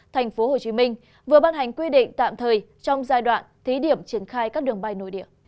tp hcm vừa ban hành quy định tạm thời trong giai đoạn thí điểm triển khai các đường bay nội địa